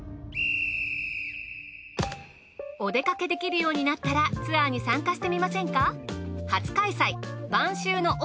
お出かけできるようになったらツアーに参加してみませんか？